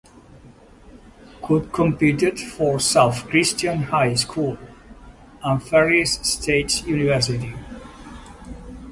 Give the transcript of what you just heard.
Cook competed for South Christian High School and Ferris State University.